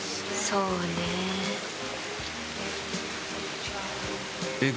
そうねえ。